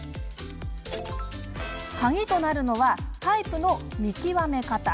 鍵となるのはタイプの見極め方。